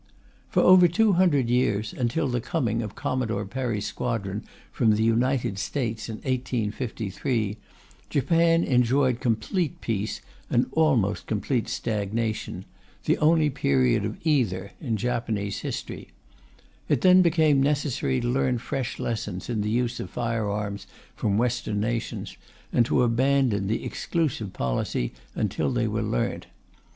For over two hundred years, until the coming of Commodore Perry's squadron from the United States in 1853, Japan enjoyed complete peace and almost complete stagnation the only period of either in Japanese history, It then became necessary to learn fresh lessons in the use of fire arms from Western nations, and to abandon the exclusive policy until they were learnt.